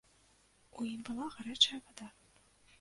У ім была гарачая вада.